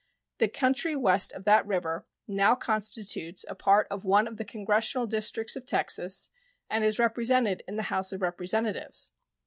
The country west of that river now constitutes a part of one of the Congressional districts of Texas and is represented in the House of Representatives.